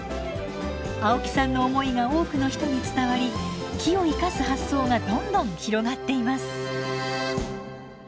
青木さんの思いが多くの人に伝わり木を生かす発想がどんどん広がっています。